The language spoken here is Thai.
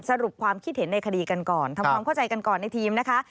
สรุปความคิดเห็นในคดีกันก่อนทำความเข้าใจกันก่อนในทีมนะคะ